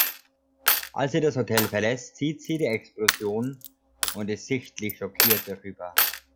Als sie das Hotel verlässt, sieht sie die Explosion und ist sichtlich schockiert darüber.